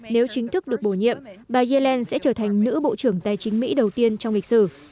nếu chính thức được bổ nhiệm bà yellen sẽ trở thành nữ bộ trưởng tài chính mỹ đầu tiên trong lịch sử